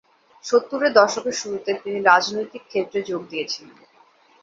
সত্তরের দশকের শুরুতে তিনি রাজনৈতিক ক্ষেত্রে যোগ দিয়েছিলেন।